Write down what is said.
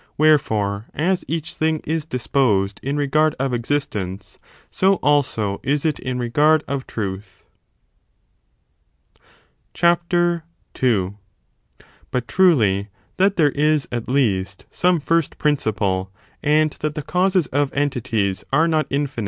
Wherefore, aa each thing is disposed in regard of existence, so, also, is it in regard of truth. CHAPTER lU But, truly, that there is, at least, some first j^ no infinity principle, and that the causes of entities are not of causes— ' n 'jT 'i.\.